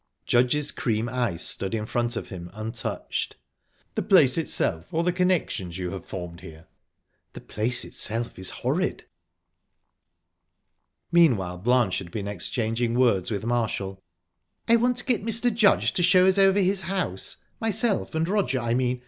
Judge's cream ice stood in front of him untouched. "The place itself, or the connections you have formed here?" "The place itself is horrid." Meanwhile Blanche had been exchanging words with Marshall. "I want to get Mr. Judge to show us over his house myself and Roger, I mean.